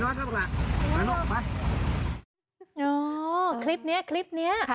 โอ้คลิปเนี่ยคลิปเนี่ย